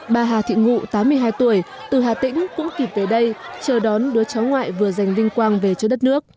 bà hà thị ngụ tám mươi hai tuổi từ hà tĩnh cũng kịp về đây chờ đón đứa cháu ngoại vừa giành vinh quang về cho đất nước